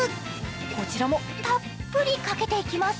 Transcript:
こちらもたっぷりかけていきます。